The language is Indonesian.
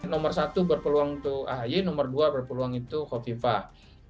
nomor satu berpeluang untuk ahy nomor dua berpeluang itu kofifah